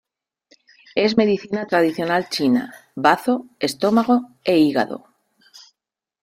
Es medicina tradicional china: bazo, estómago e hígado.